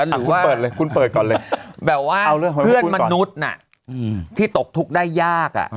หรือว่าแบบว่าเพื่อนมนุษย์นะที่ตกทุกข์ได้ยาก